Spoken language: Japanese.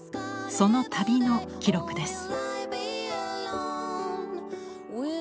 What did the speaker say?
その旅の記録です。